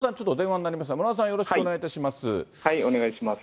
村尾さん、ちょっと電話になりますが、村尾さん、よろしくお願いします。